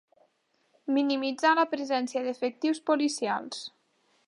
Minimitzar la presència d'efectius policials.